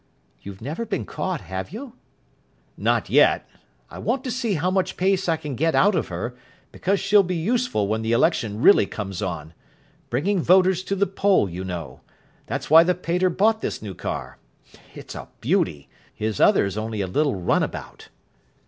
"You've never been caught, have you?" "Not yet. I want to see how much pace I can get out of her, because she'll be useful when the election really comes on. Bringing voters to the poll, you know. That's why the pater bought this new car. It's a beauty. His other's only a little runabout."